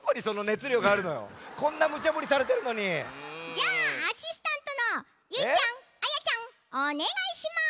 じゃあアシスタントのゆいちゃんあやちゃんおねがいします。